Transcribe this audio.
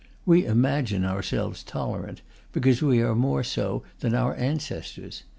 We imagine ourselves tolerant, because we are more so than our ancestors.